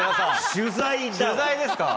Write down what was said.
取材ですか？